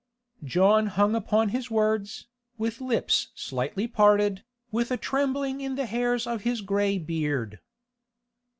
John hung upon his words, with lips slightly parted, with a trembling in the hairs of his grey beard.